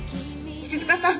石塚さん！